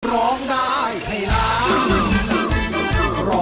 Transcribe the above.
ร้องได้ให้ร้อง